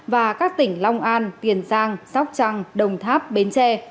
và các tỉnh long an tiền giang sóc trăng đồng tháp bến tre